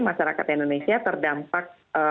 masyarakat indonesia terdampak